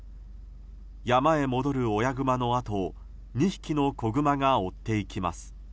山へ戻る親グマの後を２匹の子グマが追っていきます。